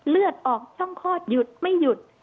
เลือดออกช่องคลอดหยุดไม่หยุด